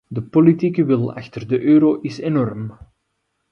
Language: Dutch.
De politieke wil achter de euro is enorm.